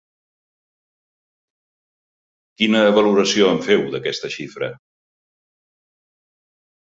Quina valoració en feu, d’aquesta xifra?